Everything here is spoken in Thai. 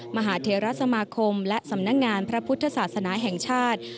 มหาเทราสมาคมและสำนักงานพระพุทธศาสนาแห่งชาติ